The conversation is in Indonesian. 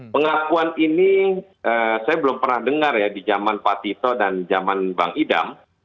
pengakuan ini saya belum pernah dengar ya di zaman pak tito dan zaman bang idam